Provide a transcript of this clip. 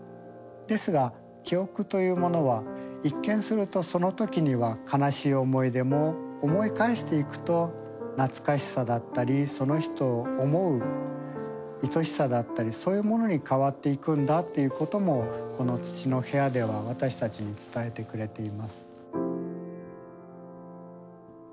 ですが記憶というものは一見するとその時には悲しい思い出も思い返していくと懐かしさだったりその人を思ういとしさだったりそういうものに変わっていくんだということもこの土の部屋では私たちに伝えてくれています。